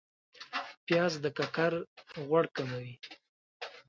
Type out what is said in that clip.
پیاز د ککر غوړ کموي